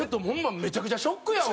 めちゃくちゃショックやわ。